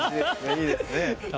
いいですね。